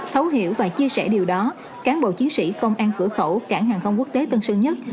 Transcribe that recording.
thấu hiểu và chia sẻ điều đó cán bộ chiến sĩ công an cửa khẩu cảng hàng không quốc tế tân sơn nhất